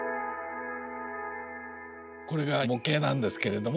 これが模型なんですけれども。